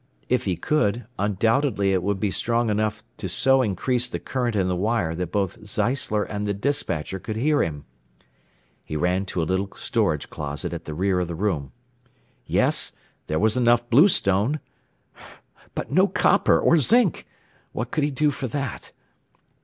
If he could, undoubtedly it would be strong enough to so increase the current in the wire that both Zeisler and the despatcher could hear him. He ran to a little storage closet at the rear of the room. Yes; there was enough bluestone! But no copper, or zinc! What could he do for that?